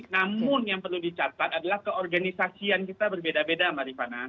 namun yang perlu dicatat adalah keorganisasian kita berbeda beda mbak rifana